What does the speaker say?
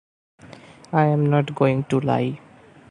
I'm not going to lie.